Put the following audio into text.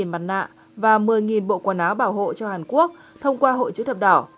một mươi mặt nạ và một mươi bộ quần áo bảo hộ cho hàn quốc thông qua hội chữ thập đỏ